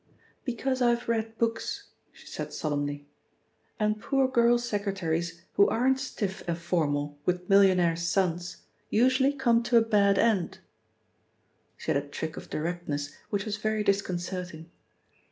"Because I've read books," she said solemnly, "and poor girl secretaries who aren't stiff and formal with millionaire's sons usually come to a bad end!" She had a trick of directness which was very disconcerting.